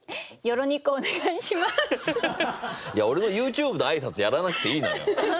いや俺のＹｏｕＴｕｂｅの挨拶やらなくていいのよ。